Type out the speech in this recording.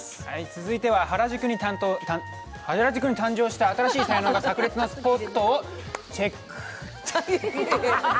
続いては原宿に誕生した新しい才能がさく裂なスポットをチェック。